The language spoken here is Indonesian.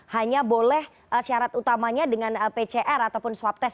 hanya boleh syarat utamanya dengan pcr ataupun swab test